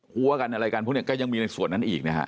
หัวกันอะไรกันพวกนี้ก็ยังมีในส่วนนั้นอีกนะฮะ